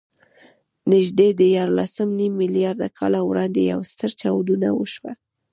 نږدې دیارلسنیم میلیارده کاله وړاندې یوه ستره چاودنه وشوه.